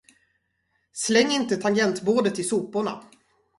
Släng inte tangentbordet i soporna.